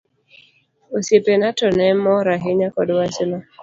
Osiepena to ne mor ahinya kod wachno.